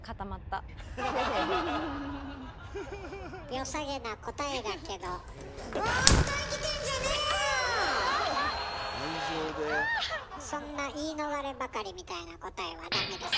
よさげな答えだけどそんな言い逃ればかりみたいな答えはダメです。